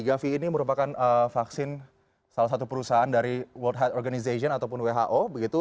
gavi ini merupakan vaksin salah satu perusahaan dari world head organization ataupun who